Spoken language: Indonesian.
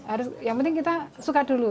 harus yang penting kita suka dulu